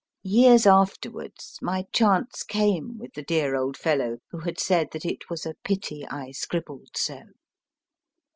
Years afterwards, my chance came with the dear old fellow who had said that it was a pity I scribbled so.